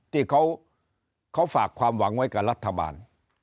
ที่เขาฝากความหวังไว้กับรัฐบาล